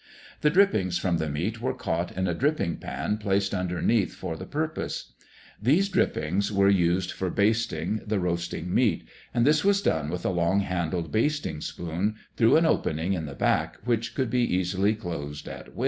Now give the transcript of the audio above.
The drippings from the meat were caught in a dripping pan placed underneath for the purpose. These drippings were used for basting the roasting meat, and this was done with a long handled basting spoon through an opening in the back, which could be easily closed at will.